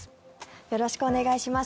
よろしくお願いします。